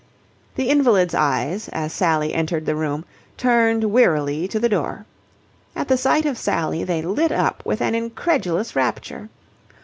The invalid's eyes, as Sally entered the room, turned wearily to the door. At the sight of Sally they lit up with an incredulous rapture.